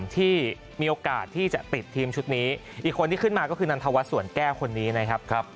ที่มีโอกาสที่จะติดทีมชุดนี้อีกคนที่ขึ้นมาก็คือนันทวัฒนสวนแก้วคนนี้นะครับ